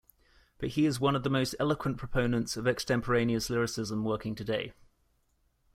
But he is one of the most eloquent proponents of extemporaneous lyricism working today.